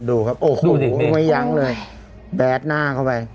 ดูครับโอ้โหไม่ยั้งเลยแบดหน้าเข้าไป